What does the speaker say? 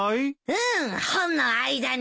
うん本の間に。